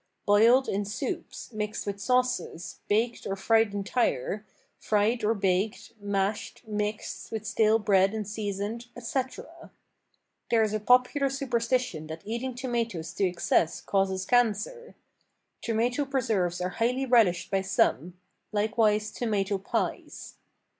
Boiled in soups, mixed with sauces, baked or fried entire, fried or baked, mashed, mixed with stale bread and seasoned, etc. There is a popular superstition that eating tomatoes to excess causes cancer. Tomato preserves are highly relished by some; likewise tomato pies.